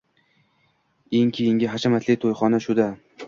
Eng keyingi, hashamatli to`yxona shu-da